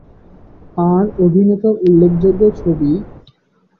তাঁর অভিনীত উল্লেখযোগ্য ছবি-